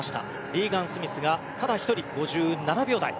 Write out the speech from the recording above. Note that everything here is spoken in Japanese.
リーガン・スミスがただ１人５７秒台。